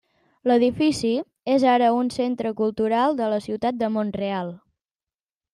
L'edifici és ara un centre cultural de la ciutat de Mont-real.